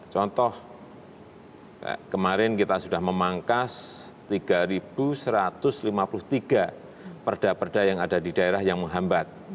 contoh kemarin kita sudah memangkas tiga satu ratus lima puluh tiga perda perda yang ada di daerah yang menghambat